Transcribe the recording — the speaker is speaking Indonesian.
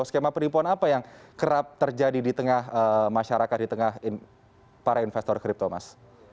skema penipuan apa yang kerap terjadi di tengah masyarakat di tengah para investor kripto mas